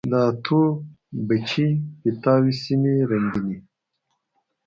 د اتو، بچي، پیتاو سیمي رنګیني